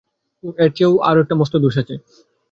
উঃ, ওর চেয়েও তোমার আর-একটা মস্ত দোষ আছে।